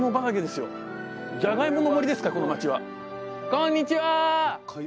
こんにちは。